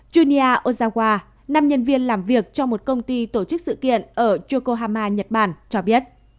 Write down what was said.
junya ozawa nàm nhân viên làm việc cho một công ty tổ chức sự kiện ở yokohama nhật bản cho biết